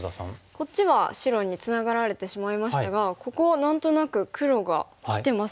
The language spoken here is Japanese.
こっちは白につながられてしまいましたがここ何となく黒がきてますね。